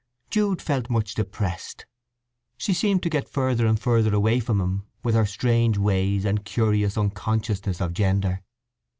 Jude felt much depressed; she seemed to get further and further away from him with her strange ways and curious unconsciousness of gender.